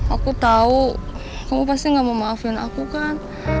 aku tahu kamu pasti gak mau maafin aku kan